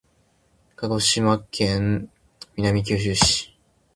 鹿児島県南九州市